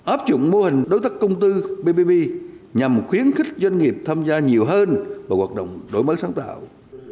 áp dụng mô hình đối tác công tư bbb nhằm khuyến khích doanh nghiệp tham gia nhiều hơn vào hoạt động đổi mới sáng tạo